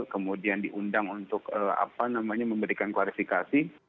kemudian diundang untuk memberikan klarifikasi